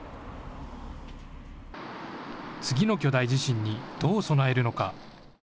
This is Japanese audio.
次の巨大地震にどう備えるのか。